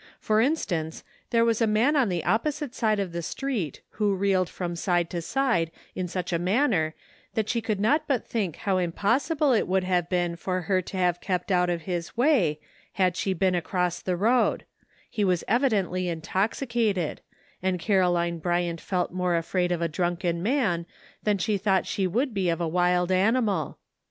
For in stance, there was a man on the opposite side of the street who reeled from side to side in such a manner that she could not but think how im possible it would have been for her to have kept out of his way had she been across the road ; he was evidently intoxicated, and Caroline Bryant felt more afraid of a drunken man than she thought she would be of a wild animal.